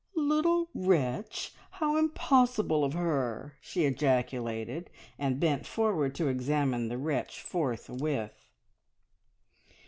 "Little wretch! How impossible of her!" she ejaculated, and bent forward to examine the wretch forthwith.